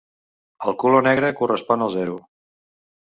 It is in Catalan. El color negre correspon al zero.